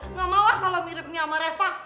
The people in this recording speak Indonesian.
nggak mau lah kalo miripnya sama repa